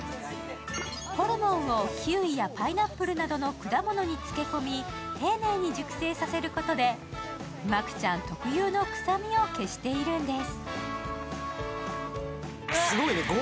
ホルモンをキウイやパイナップルなどの果物につけ込み丁寧に熟成させることでマクチャン特有の臭みを消しているんです。